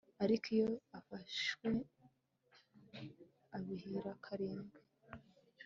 Ariko iyo afashwe abiriha karindwi